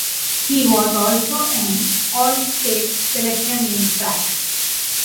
He was also an All-State selection in track.